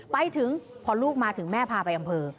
ไปถึงพอลูกมาถึงแม่พาไปอำเภอ